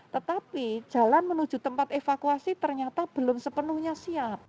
tetapi jalan menuju tempat evakuasi ternyata belum sepenuhnya siap